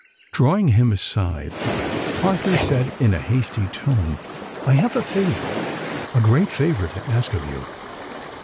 Drawing him aside, Arthur said in a hasty tone, "I have a favour—a great favour to ask of you.